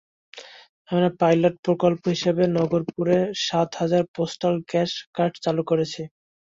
আমরা পাইলট প্রকল্প হিসেবে নাগরপুরে সাত হাজার পোস্টাল ক্যাশ কার্ড চালু করেছি।